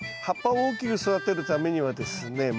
葉っぱを大きく育てるためにはですね